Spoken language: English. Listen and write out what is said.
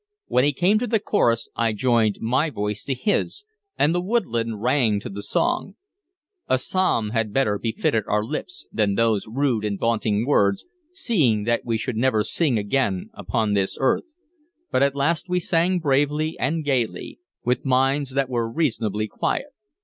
When he came to the chorus I joined my voice to his, and the woodland rang to the song. A psalm had better befitted our lips than those rude and vaunting words, seeing that we should never sing again upon this earth; but at least we sang bravely and gayly, with minds that were reasonably quiet.